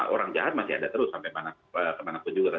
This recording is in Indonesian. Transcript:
orang jahat masih ada terus sampai kemana kemana pun juga kan